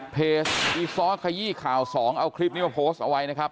อีซ้อขยี้ข่าวสองเอาคลิปนี้มาโพสต์เอาไว้นะครับ